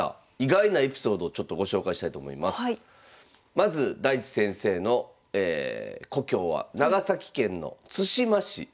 まず大地先生の故郷は長崎県の対馬市。